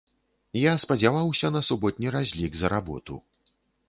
Я спадзяваўся на суботні разлік за работу.